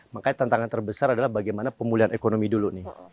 makanya tantangan terbesar adalah bagaimana pemulihan ekonomi dulu nih